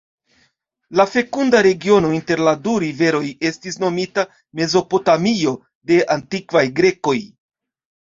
La fekunda regiono inter la du riveroj estis nomita Mezopotamio de antikvaj Grekoj.